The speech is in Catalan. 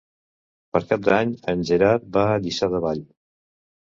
Per Cap d'Any en Gerard va a Lliçà de Vall.